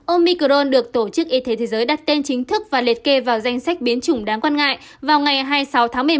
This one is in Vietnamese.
omicron được tổ chức y tế thế giới đặt tên chính thức và liệt kê vào danh sách biến chủng đáng quan ngại vào ngày hai mươi sáu tháng một mươi một